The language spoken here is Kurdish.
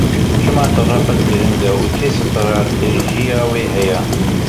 Çima Til Rifet giring e û çi stratejiya wê heye?.